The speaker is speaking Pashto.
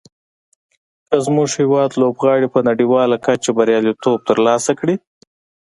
که زموږ هېواد لوبغاړي په نړیواله کچه بریالیتوب تر لاسه کړي.